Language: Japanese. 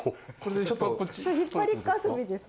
引っ張りっこ遊びです